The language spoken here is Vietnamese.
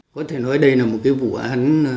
có thể nói đây là một cái vụ án